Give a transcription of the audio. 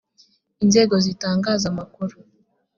inzego zitangaza amakuru